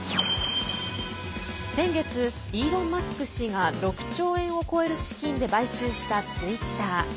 先月、イーロン・マスク氏が６兆円を超える資金で買収したツイッター。